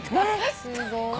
すごいね。